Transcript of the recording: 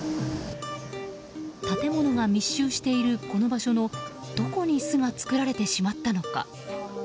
建物が密集しているこの場所のどこに巣が作られてしまったのか。